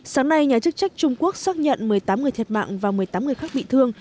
sáng nay nhà chức trách trung quốc xác nhận một mươi tám người thiệt mạng và một mươi tám người khác bị thương